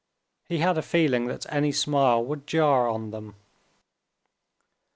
He had a feeling that any smile would jar on them.